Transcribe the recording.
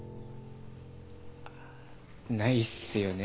ないっすよね。